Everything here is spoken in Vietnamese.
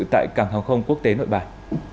tại cảng hàng không quốc tế nội bài